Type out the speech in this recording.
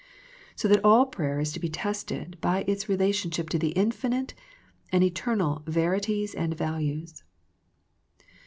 So that all prayer is to be tested by its relation ship to the infinite and eternal verities and values.